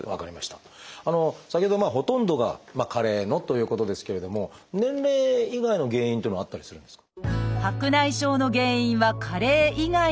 先ほどほとんどが加齢のということですけれども年齢以外の原因というのはあったりするんですか？